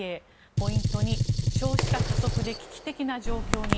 ポイント２少子化加速で危機的状況に。